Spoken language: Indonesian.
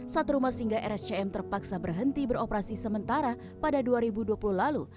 satu rumah singgah rscm terpaksa berhenti beroperasi sementara pada dua ribu dua puluh lalu